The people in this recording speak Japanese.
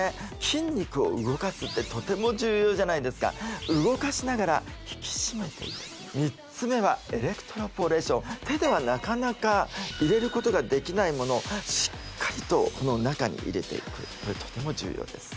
筋肉を動かすってとても重要じゃないですか動かしながら引き締めていく３つ目は手ではなかなか入れることができないものをしっかりとこの中に入れていくこれとても重要です